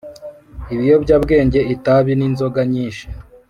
Ibiyobyabwenge itabi n inzoga nyinshi